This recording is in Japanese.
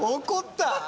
怒った。